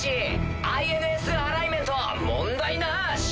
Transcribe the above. ＩＮＳアライメント問題なし。